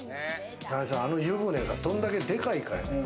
あの湯船がどんだけでかいかやね。